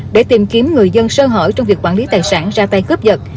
để tìm kiếm người dân sơ hở trong việc quản lý tài sản ra tay cướp giật